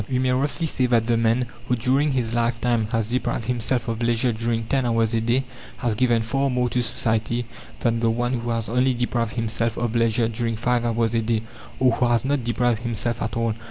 We may roughly say that the man, who during his lifetime has deprived himself of leisure during ten hours a day has given far more to society than the one who has only deprived himself of leisure during five hours a day, or who has not deprived himself at all.